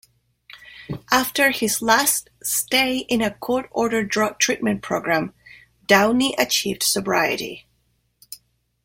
After his last stay in a court-ordered drug treatment program, Downey achieved sobriety.